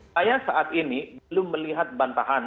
saya saat ini belum melihat bantahan